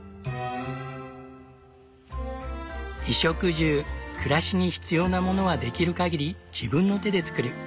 衣食住暮らしに必要なものはできるかぎり自分の手で作る。